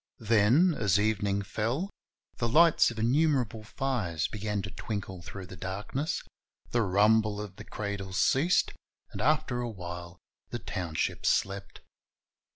Then as evening fell, the lights of innumerable fires began to twinkle through the darkness, the rumble of the cra dles ceased, and after a while the township slept.